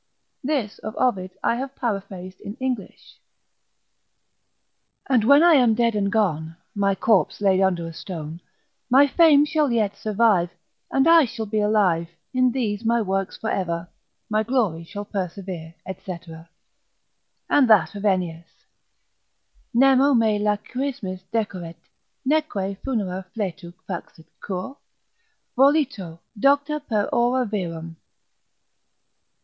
(This of Ovid I have paraphrased in English.) And when I am dead and gone, My corpse laid under a stone My fame shall yet survive, And I shall be alive, In these my works for ever, My glory shall persever, &c. And that of Ennius, Nemo me lachrymis decoret, neque funera fletu Faxit, cur? volito docta per ora virum.